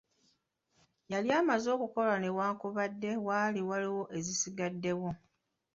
Yali amaze okukola newankubadde waali waliyo ezisigaddewo.